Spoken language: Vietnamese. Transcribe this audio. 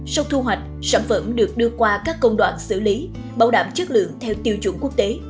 sau thu hoạch sản phẩm được đưa qua các công đoạn xử lý bảo đảm chất lượng theo tiêu chuẩn quốc tế